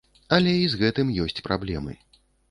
Але і з гэтым ёсць праблемы.